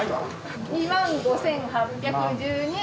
２万５，８１２円。